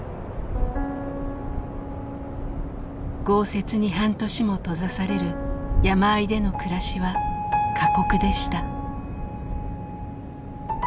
豪雪に半年も閉ざされる山あいでの暮らしは過酷でした。